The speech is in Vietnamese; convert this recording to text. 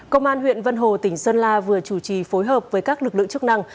công an huyện vân hồ tỉnh sơn la vừa chủ trì phối hợp với các lực lượng chức năng